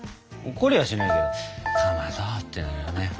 怒りはしないけど「かまど」ってなるよね。